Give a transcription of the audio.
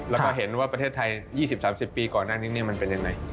แล้วก็เห็นว่าประเทศไทย๒๐๓๐ปีก่อนหน้านี้มันเป็นยังไง